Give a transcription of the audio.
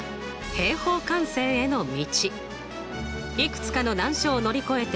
平方完成への道